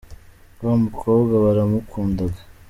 wamukobwa baramukundaga